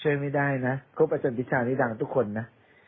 ช่วยไม่ได้นะเพราะประจำติศาสตร์นี้ดังทุกคนนะ